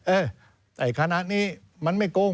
เอ๊ะใส่คณะนี้มันไม่โกง